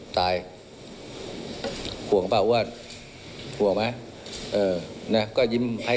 แล้วต้องเขาทำนี่ก็เรียกได้